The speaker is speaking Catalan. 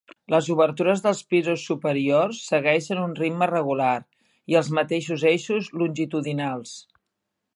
Les obertures dels pisos superiors segueixen un ritme regular i els mateixos eixos longitudinals.